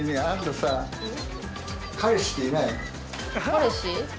彼氏？